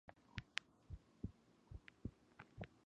Reused bottles could develop bacteria in the bottle between uses.